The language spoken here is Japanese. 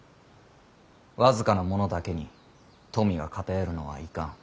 僅かな者だけに富が偏るのはいかん。